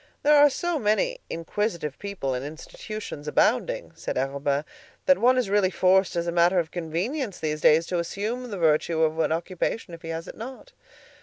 "There are so many inquisitive people and institutions abounding," said Arobin, "that one is really forced as a matter of convenience these days to assume the virtue of an occupation if he has it not."